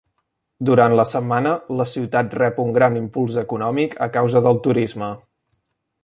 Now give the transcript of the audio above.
Durant la setmana la ciutat rep un gran impuls econòmic a causa del turisme.